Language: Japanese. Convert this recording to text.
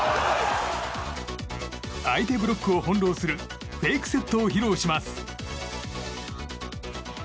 相手ブロックを翻弄するフェイクセットを披露します。